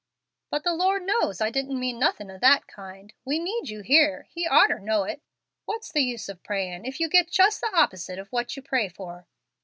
'" "But the Lord knows I didn't mean nothin' of that kind. We need you here, and He orter know it. What's the use of prayin' if you get just the opposite of what you pray for?"